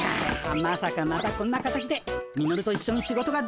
まさかまたこんな形でミノルと一緒に仕事ができるとはなあ。